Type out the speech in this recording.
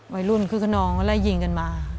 วัยรุ่นคึกขนองไล่ยิงกันมา